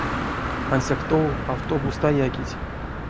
Ансяк тов автобуст а якить.